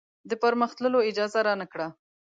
د پرمخ تللو اجازه رانه کړه.